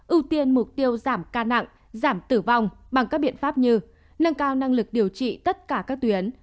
ưu tiên mục tiêu giảm ca nặng giảm tử vong bằng các biện pháp như nâng cao năng lực điều trị tất cả các tuyến